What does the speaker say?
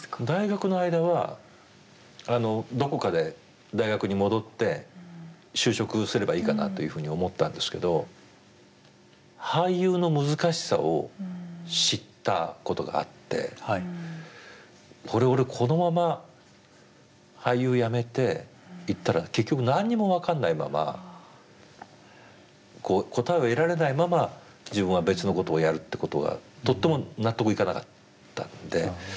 大学の間はどこかで大学に戻って就職すればいいかなというふうに思ったんですけど俳優の難しさを知ったことがあってこれ俺このまま俳優やめていったら結局何にも分かんないまま答えを得られないまま自分は別のことをやるってことがとっても納得いかなかったんで。